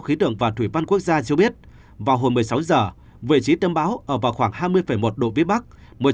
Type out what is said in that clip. khí tượng và thủy văn quốc gia cho biết vào hồi một mươi sáu h vị trí tâm báo ở vào khoảng hai mươi một độ phía bắc